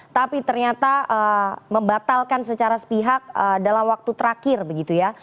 tapi ternyata membatalkan secara sepihak dalam waktu terakhir begitu ya